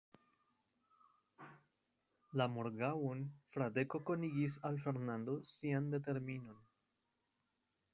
La morgaŭon, Fradeko konigis al Fernando sian determinon.